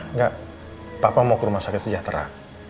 enggak papa mau ke rumah sakit sejahtera